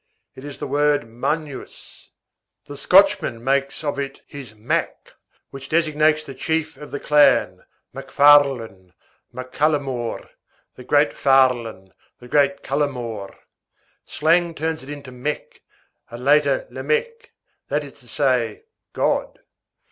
It is the word magnus; the Scotchman makes of it his mac, which designates the chief of the clan; Mac Farlane, Mac Callumore, the great Farlane, the great Callumore41; slang turns it into meck and later le meg, that is to say, God.